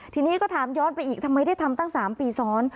ทีนี้ก็ถามย้อนไปอีกทำไมได้ทำตั้ง๓ปีซ้อน